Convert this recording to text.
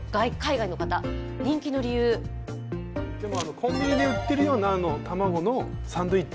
コンビニで売っているようなたまごのサンドイッチ？